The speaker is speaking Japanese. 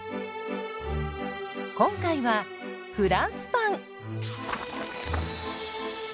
今回はフランスパン。